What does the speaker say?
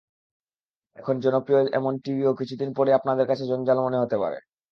এখন জনপ্রিয় এমন টিভিও কিছুদিন পরই আপনার কাছে জঞ্জাল মনে হতে পারে।